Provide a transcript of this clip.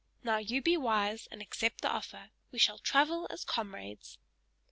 Now you be wise and accept the offer; we shall travel as comrades!"